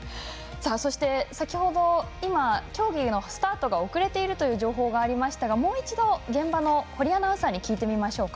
そして、先ほど競技のスタートが遅れているという情報がありましたがもう一度、現場の堀アナウンサーに聞いてみます。